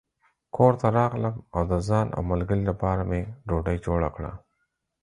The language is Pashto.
کور ته راغلم او د ځان او ملګري لپاره مې ډوډۍ جوړه کړه.